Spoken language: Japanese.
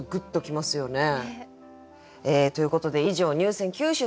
ねえ。ということで以上入選九首でした。